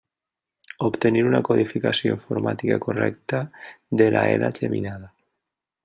Obtenir una codificació informàtica correcta de la ela geminada.